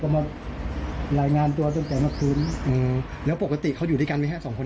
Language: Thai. คนตาบอกว่าตาเขาน่าเกิดอะไรคนหน้าของตา